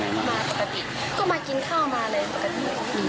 เราคิดไม่ถึงเลยใช่ไหมว่าจะเป็นคนขนาดกัน